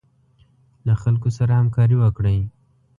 له خلکو سره همکاري وکړئ.